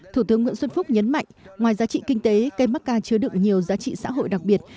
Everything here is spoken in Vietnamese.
thủ tướng nguyễn xuân phúc nhấn mạnh ngoài giá trị kinh tế cây macca chứa đựng nhiều giá trị xã hội đặc biệt